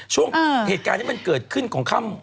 ช่วงเหตุการณ์ที่มันเกิดขึ้นของค่ำ